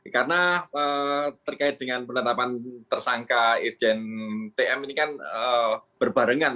karena terkait dengan penetapan tersangka irjen tm ini kan berbarengan